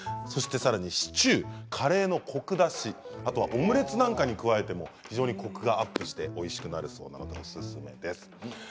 そして、さらにシチューカレーのコク出しオムレツなんかに加えてもコクがアップしておいしくなるそうなのでおすすめです。